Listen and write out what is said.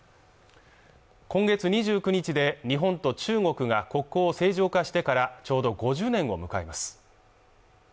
今月２９日で日本と中国が国交を正常化してからちょうど５０年を迎えます